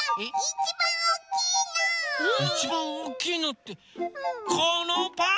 いちばんおおきいのってこのパン？